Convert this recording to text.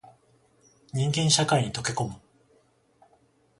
人間社会に溶け込む